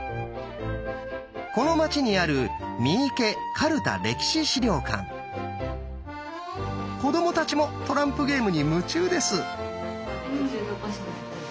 この町にある子どもたちもトランプゲームに夢中です。